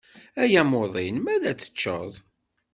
Ay amuḍin ma ad teččeḍ.